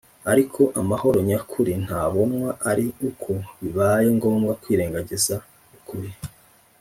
ariko amahoro nyakuri ntabonwa ari uko bibaye ngombwa kwirengagiza ukuri